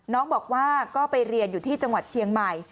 น้องบอกว่าก็ไปเรียนอยู่ที่จังหวัดเชียงใหม่